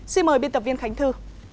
xin mời biên tập viên khánh thư